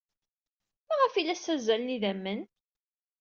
Maɣef ay la ssazzalen idammen?